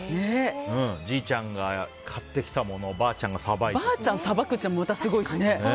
じいちゃんが狩ってきたものばあちゃんがさばくってまた、すごいですね。